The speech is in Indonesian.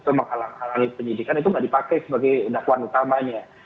itu menghalangi penyidikan itu tidak dipakai sebagai dakwaan utamanya